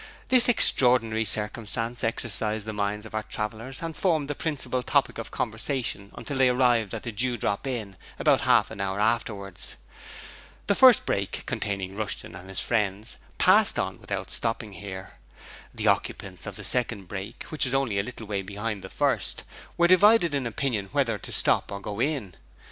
This extraordinary circumstance exercised the minds of our travellers and formed the principal topic of conversation until they arrived at the Dew Drop Inn, about half an hour afterwards. The first brake, containing Rushton and his friends, passed on without stopping here. The occupants of the second brake, which was only a little way behind the first, were divided in opinion whether to stop or go on.